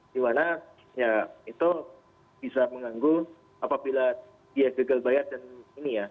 dimana ya itu bisa mengganggu apabila dia gagal bayar dan ini ya